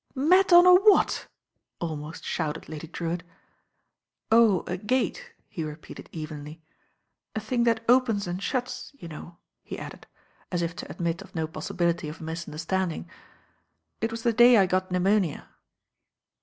"Met on a what?" almost shouted Lady Drewitt. "Oh, a gate," he repeated evenly. "A thing that opens and shuts, you know," he added, as if to admit S84 THE RAIN GIRL I of no possibility of misunderstanding. "It was the day I got pneumonia."